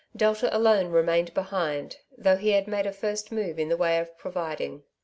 Delta alone remained behind, though he had made a first move in the way of providing.